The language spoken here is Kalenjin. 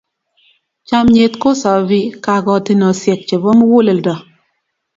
Chamnyet ko sopi kakotinosiek chebo muguleldo